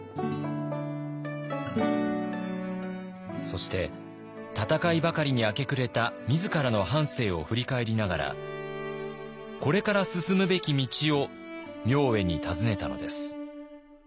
そして戦いばかりに明け暮れた自らの半生を振り返りながらこれから進むべき道を明恵に尋ねたのです。